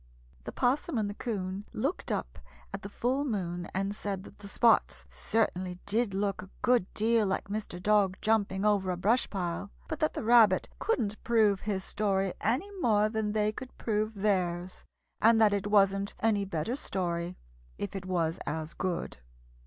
The 'Possum and the 'Coon looked up at the full moon and said that the spots certainly did look a good deal like Mr. Dog jumping over a brush pile, but that the Rabbit couldn't prove his story any more than they could prove theirs, and that it wasn't any better story, if it was as good.